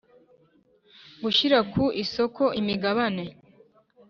Gushyira ku isoko imigabane